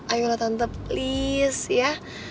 ayolah tante please ya